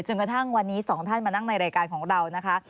จนกระทั่งวันนี้สองท่านมานั่งในรายการของเรานะคะ